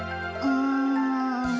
うん。